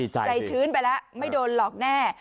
ใจชื้นไปแล้วไม่โดนหลอกแน่